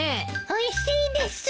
おいしいです！